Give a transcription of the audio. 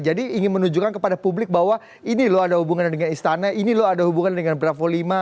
ingin menunjukkan kepada publik bahwa ini loh ada hubungannya dengan istana ini loh ada hubungan dengan bravo lima